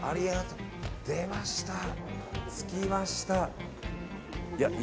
出ました、着きました。